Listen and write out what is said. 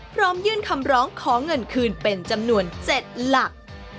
พร้อมยื่นคำร้องขอเงินคืนเป็นจำนวน๗หลัก